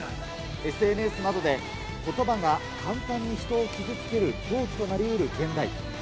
ＳＮＳなどでことばが簡単に人を傷つける凶器となりうる現代。